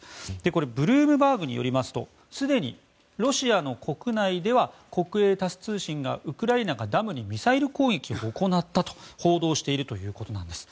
これ、ブルームバーグによりますとすでにロシアの国内では国営タス通信が、ウクライナがダムにミサイル攻撃を行ったと報道しているということです。